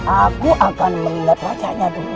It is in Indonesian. aku akan mengingat wajahnya dulu